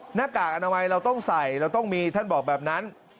หน้ากากอนามัยเราต้องใส่เราต้องมีท่านบอกแบบนั้น